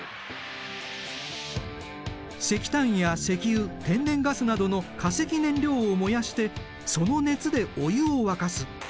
石炭や石油天然ガスなどの化石燃料を燃やしてその熱でお湯を沸かす。